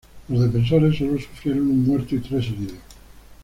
Los defensores sólo sufrieron un muerto y tres heridos.